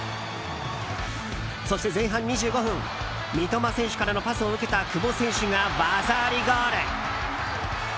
そして前半２５分三笘選手からのパスを受けた久保選手が技ありゴール。